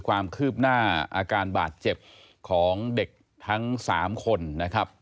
ความคืบหน้าอาการบาดเจ็บของเด็กทั้ง๓คนนะครับ